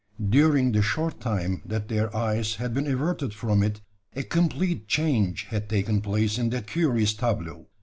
During the short time that their eyes had been averted from it, a complete change had taken place in that curious tableau.